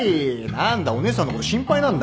何だお姉さんのこと心配なんだ。